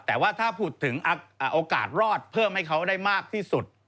แต่ว่าถ้าพูดถึงโอกาสรอดเพิ่มให้เขาได้มากที่สุด